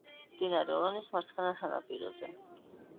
მდინარე რონის მარცხენა სანაპიროზე.